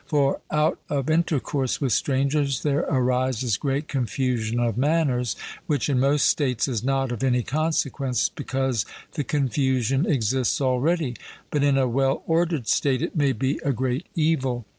For out of intercourse with strangers there arises great confusion of manners, which in most states is not of any consequence, because the confusion exists already; but in a well ordered state it may be a great evil.